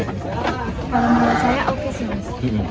kalau menurut saya oke sih mas